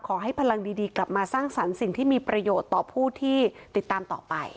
พลังดีกลับมาสร้างสรรค์สิ่งที่มีประโยชน์ต่อผู้ที่ติดตามต่อไป